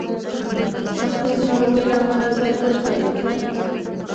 احمد د سختې ناروغۍ له امله ځای په ځای دی.